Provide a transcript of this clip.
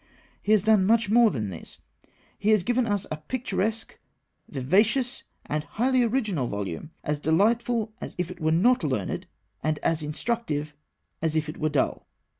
He has done much more than this. He has given us a picturesque, vivacious, and highly original volume, as delightful as if it were not learned, and as instructive as if it were dull.